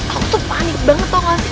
aku tuh panik banget kok gak sih